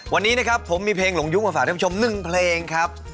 วันนี้นะครับผมมีเพลงหลงยุคมาฝากท่านผู้ชม๑เพลงครับ